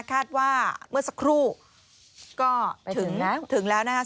คาดว่าเมื่อสักครู่ก็ถึงแล้วนะครับ